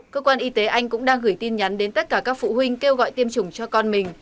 cơ quan y tế anh cũng đang gửi tin nhắn đến tất cả các phụ huynh kêu gọi tiêm chủng cho con mình